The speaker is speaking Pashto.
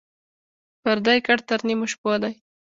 پردى کټ تر نيمو شپو دى.